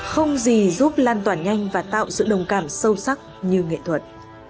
không gì giúp lan tỏa nhanh và tạo sự đồng cảm sâu sắc như nghệ thuật